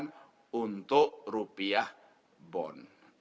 diterbitkan untuk rp satu